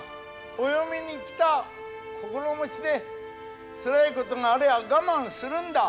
お嫁に来た心持ちでつらいことがありゃ我慢するんだ。